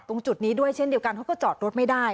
จุดนี้ด้วยเช่นเดียวกันเขาก็จอดรถไม่ได้